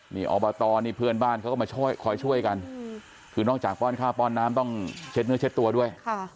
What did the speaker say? นี่อบตนี่เพื่อนบ้านเขาก็มาช่วยคอยช่วยกันคือนอกจากป้อนข้าวป้อนน้ำต้องเช็ดเนื้อเช็ดตัวด้วย